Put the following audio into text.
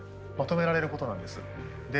まとめられることなんですよ。